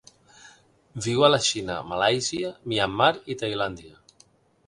Viu a la Xina, Malàisia, Myanmar i Tailàndia.